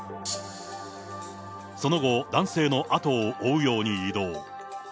その後、男性の後を追うように移動。